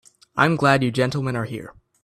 I'm glad you gentlemen are here.